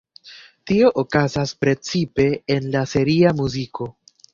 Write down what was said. Tio okazas precipe en la seria muziko.